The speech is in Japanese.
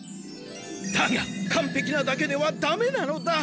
だが完璧なだけではダメなのだ。